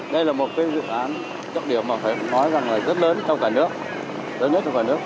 đây là một cái dự án trọng điểm mà phải nói rằng là rất lớn trong cả nước lớn nhất trong cả nước